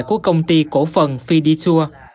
của công ty cổ phần fiditur